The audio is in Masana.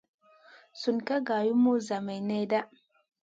Sun ka nga lumu zamang nèda.